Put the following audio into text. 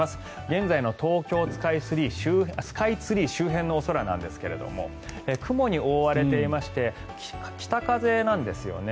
現在の東京スカイツリー周辺のお空なんですが雲に覆われていまして北風なんですよね。